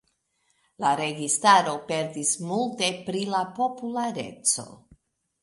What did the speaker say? La registaro perdis multe pri la populareco.